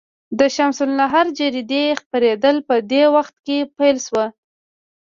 د شمس النهار جریدې خپرېدل په دې وخت کې پیل شول.